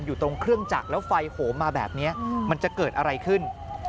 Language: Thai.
อยู่ตรงเครื่องจักรแล้วไฟโหมมาแบบนี้มันจะเกิดอะไรขึ้น